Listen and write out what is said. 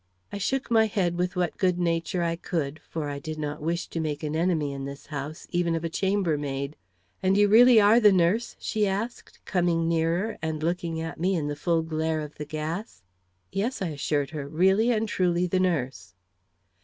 I shook my head with what good nature I could, for I did not wish to make an enemy in this house, even of a chambermaid. "And you are really the nurse?" she asked, coming nearer and looking at me in the full glare of the gas. "Yes," I assured her, "really and truly the nurse."